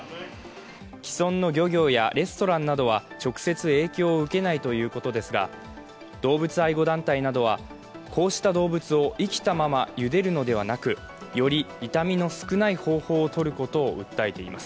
既存の漁業やレストランなどは直接影響を受けないということですが、動物愛護団体などはこうした動物を生きたままゆでるのではなく、より痛みの少ない方法をとることを訴えています。